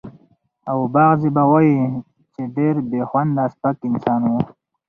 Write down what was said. او بعضې به وايي چې ډېر بې خونده سپک انسان و.